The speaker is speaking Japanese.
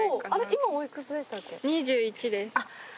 今おいくつでしたっけ？